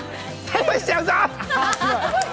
逮捕しちゃうぞ！